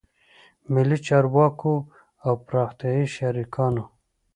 ملي چارواکو او پراختیایي شریکانو